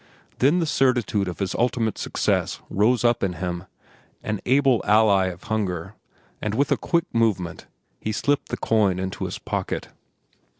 Then the certitude of his ultimate success rose up in him, an able ally of hunger, and with a quick movement he slipped the coin into his pocket.